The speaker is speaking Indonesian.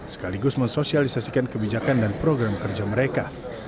sekaligus mensosialisasikan kebijakan dan program kerja mereka